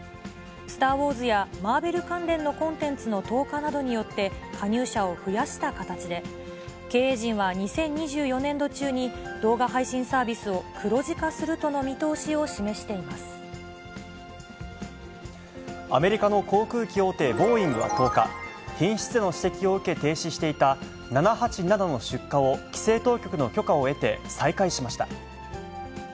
スター・ウォーズやマーベル関連のコンテンツの投下などによって、加入者を増やした形で、経営陣は２０２４年度中に動画配信サービスを黒字化するとの見通アメリカの航空機大手、ボーイングは１０日、品質への指摘を受けて、停止していた７８７の出荷を規制当局の許可を得て、再開しました。